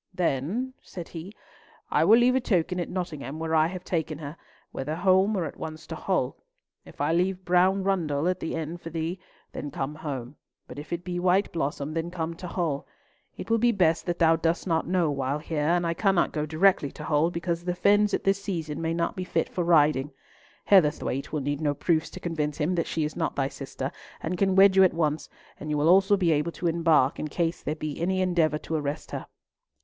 "Then," said he, "I will leave a token at Nottingham where I have taken her; whether home or at once to Hull. If I leave Brown Roundle at the inn for thee, then come home; but if it be White Blossom, then come to Hull. It will be best that thou dost not know while here, and I cannot go direct to Hull, because the fens at this season may not be fit for riding. Heatherthwayte will need no proofs to convince him that she is not thy sister, and can wed you at once, and you will also be able to embark in case there be any endeavour to arrest her."